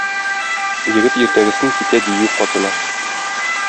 Егет иртәгесен китә дию катына.